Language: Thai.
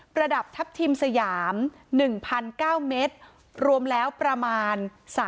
ระดับทัพทิมสยาม๑๙เมตรรวมแล้วประมาณ